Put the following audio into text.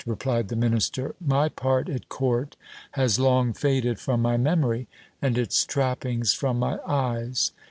replied the minister : my part at court has long faded from my memory, and its trappings from my eyes.